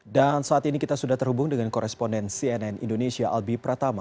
dan saat ini kita sudah terhubung dengan koresponden cnn indonesia albi pratama